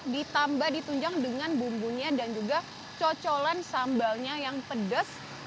ditambah ditunjang dengan bumbunya dan juga cocolan sambalnya yang pedas